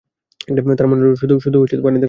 তাঁর মনে হল, শুধু পানিতে কাজ হবে না।